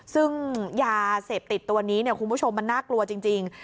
ซึ่งยาเสพติดตัวนี้คุณผู้ชมมันน่ากลัวจริง